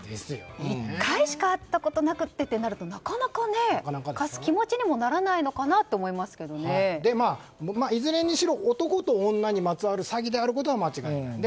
１回しか会ったことないってなかなか貸す気持ちにもいずれにしろ男と女にまつわる詐欺であることは間違いない。